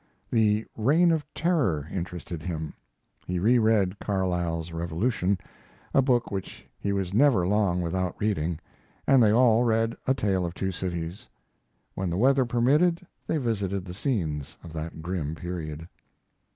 The Reign of Terror interested him. He reread Carlyle's Revolution, a book which he was never long without reading, and they all read 'A Tale of Two Cities'. When the weather permitted they visited the scenes of that grim period.